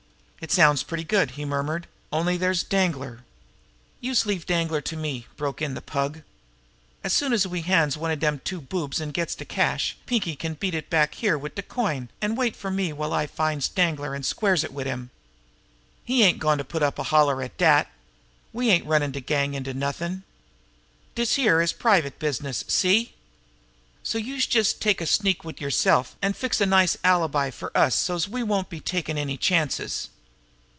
"It sounds pretty good," he murmured; "only there's Danglar " "Youse leave Danglar to me!" broke in the Pug. "As soon as we hands one to dem two boobs an' gets de cash, Pinkie can beat it back here wid de coin an wait fer me while I finds Danglar an' squares it wid him. He ain't goin' to put up no holler at dat. We ain't runnin' de gang into nothin'. Dis is private business see? So youse just take a sneak wid yerself, an' fix a nice little alibi fer us so's we won't be takin' any chances."